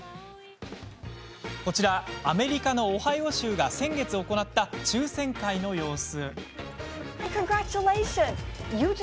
こちらアメリカのオハイオ州が先月行った抽せん会の様子。